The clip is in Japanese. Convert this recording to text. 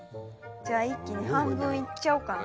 じゃあ一気に半分いっちゃおうかな。